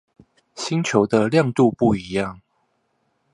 星球的亮度不一樣